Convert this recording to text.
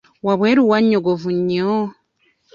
Wabweru wanyogovu nnyo?